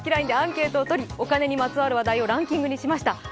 ＬＩＮＥでアンケートをとり、お金にまつわる話題をランキングにしました。